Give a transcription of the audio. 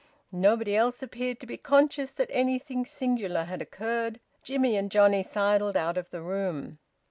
Nobody else appeared to be conscious that anything singular had occurred. Jimmie and Johnnie sidled out of the room.